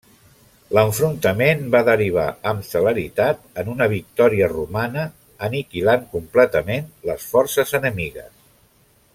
L'enfrontament va derivar amb celeritat en una victòria romana, aniquilant completament les forces enemigues.